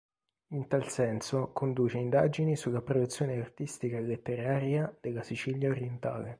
In tal senso conduce indagini sulla produzione artistica e letteraria della Sicilia orientale.